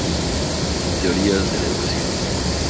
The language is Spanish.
Teorías de la Educación..